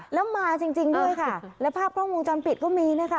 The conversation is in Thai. แล้วมาจริงจริงด้วยค่ะแล้วภาพกล้องวงจรปิดก็มีนะคะ